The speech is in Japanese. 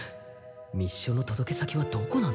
密書の届け先はどこなんだ？